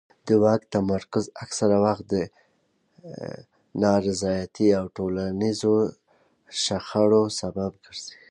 د واک تمرکز اکثره وخت د نارضایتۍ او ټولنیزو شخړو سبب ګرځي